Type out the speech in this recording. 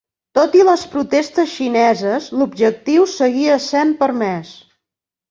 Tot i les protestes xineses l'objectiu seguia essent permès.